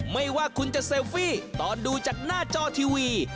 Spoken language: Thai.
ไม่ว่าคุณจะเซลฟี่ตอนดูจากหน้าจอทีวี